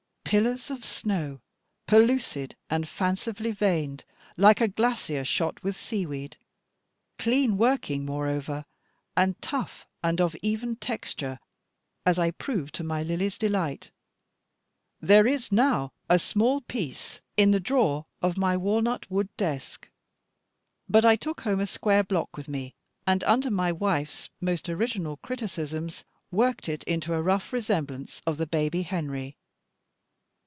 Pillars of snow, pellucid, and fancifully veined, like a glacier shot with sea weed; clean working moreover, and tough, and of even texture, as I proved to my Lily's delight. There is now a small piece in the drawer of my walnut wood desk. But I took home a square block with me, and under my wife's most original criticisms, worked it into a rough resemblance of the baby Henry.